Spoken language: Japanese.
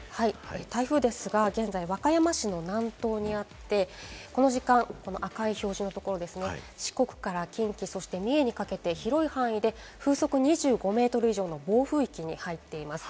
台風ですが現在、和歌山市の南東にあって、この時間、赤い表示のところですね、四国から近畿、そして三重にかけて広い範囲で風速２５メートル以上の暴風域に入っています。